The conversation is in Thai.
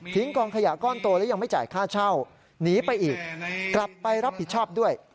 กองขยะก้อนโตแล้วยังไม่จ่ายค่าเช่าหนีไปอีกกลับไปรับผิดชอบด้วย